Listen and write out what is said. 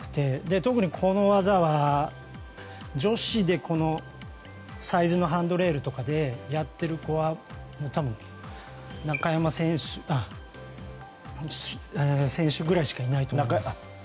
特にこの技は、女子でこのサイズのハンドレールとかでやっている子は多分、中山選手くらいしかいないと思います。